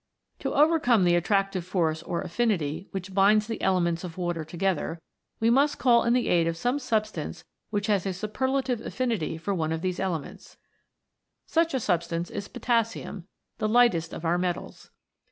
To overcome the attractive force or affinity which binds the elements of Water together, we must call in the aid of some substance which has a superla tive affinity for one of these elements. THE FOUR ELEMENTS. 43 Such a substance is potassium, the lightest of our metals.